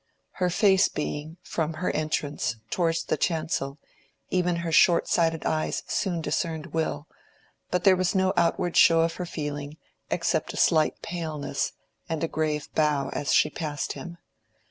Her face being, from her entrance, towards the chancel, even her shortsighted eyes soon discerned Will, but there was no outward show of her feeling except a slight paleness and a grave bow as she passed him.